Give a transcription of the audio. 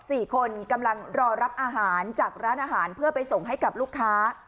สี่คนกำลังรอรับอาหารจากร้านอาหารเพื่อไปส่งให้กับลูกค้า